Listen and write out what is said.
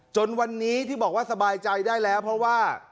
จนวันนี้ที่บอกว่าสบายใจได้แล้วเพราะว่า